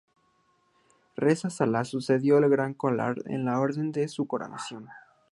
Reza Shah lució el Gran Collar de la Orden en su coronación.